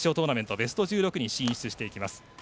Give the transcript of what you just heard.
ベスト１６に進出していきます。